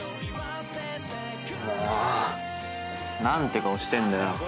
何て顔してんだよ。